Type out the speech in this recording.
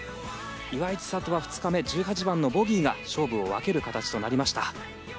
岩井千怜は２日目１８番のボギーが勝負を分ける形となりました。